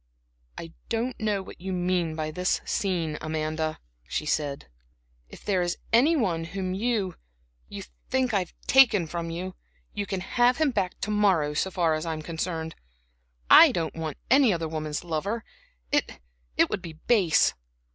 "I don't know what you mean, Amanda," she said "by this scene. If there is any one whom you you think I have taken from you, you can have him back to morrow so far as I am concerned. I don't want any other woman's lover. It it would be base.